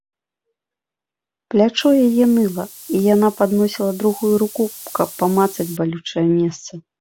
Плячо яе ныла, і яна падносіла другую руку, каб памацаць балючае месца.